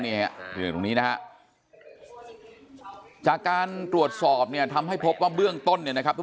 เนี่ยนะจากการตรวจสอบเนี่ยทำให้พบว่าเบื้องต้นนะครับทุก